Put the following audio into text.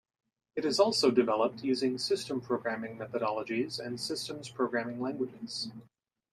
It is also developed using system programming methodologies and systems programming languages.